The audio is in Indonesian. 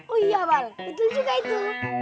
oh iya pak betul juga itu